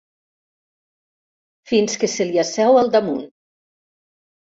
Fins que se li asseu al damunt.